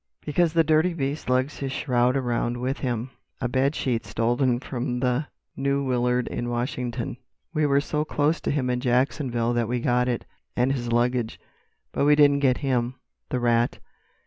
"Because the dirty beast lugs his shroud around with him—a bed sheet stolen from the New Willard in Washington. "We were so close to him in Jacksonville that we got it, and his luggage. But we didn't get him, the rat!